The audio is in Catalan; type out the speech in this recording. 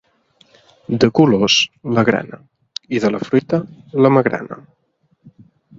De colors, la grana i de la fruita, la magrana.